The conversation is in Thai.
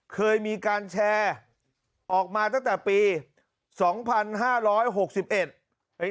เคยมีการแชร์ออกมาตั้งแต่ปี๒๕๖๑